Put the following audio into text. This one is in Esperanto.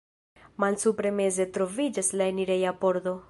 Malsupre meze troviĝas la enireja pordo.